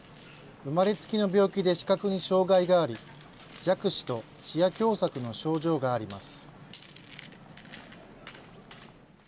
生まれつきの病気で視覚に障害があり、弱視と視野狭さくの症状があります。